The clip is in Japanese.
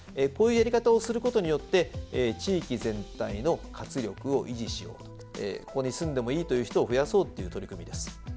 こういうやり方をすることによって地域全体の活力を維持しようとここに住んでもいいという人を増やそうという取り組みです。